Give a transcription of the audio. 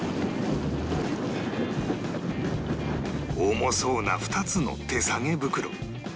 重そうな２つの手提げ袋